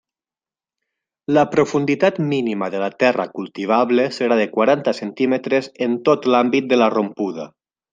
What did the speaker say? La profunditat mínima de la terra cultivable serà de quaranta centímetres en tot l'àmbit de la rompuda.